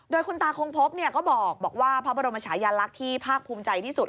โดยคุณตาคงพบก็บอกว่าพระบรมชายาลักษณ์ที่ภาคภูมิใจที่สุด